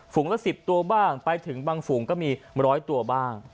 ละ๑๐ตัวบ้างไปถึงบางฝูงก็มี๑๐๐ตัวบ้าง